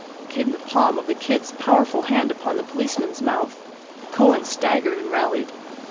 came the palm of the Kid's powerful hand upon the policeman's mouth. Kohen staggered and rallied.